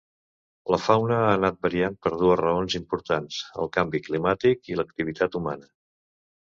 La fauna ha anat variant per dues raons importants: el canvi climàtic i l'activitat humana.